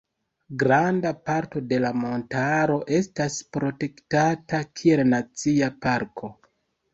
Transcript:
Granda parto de la montaro estas protektata kiel Nacia Parko.